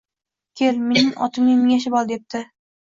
Kel, mening otimga mingashib ol, debdi